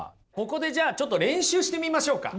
ここでじゃちょっと練習してみましょうか。